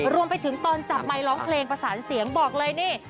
รวมไปถึงตอนจับไมค์ร้องเพลงประสานเสียงบอกเลยนี่